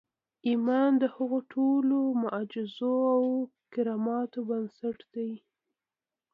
ايمان د هغو ټولو معجزو او کراماتو بنسټ دی.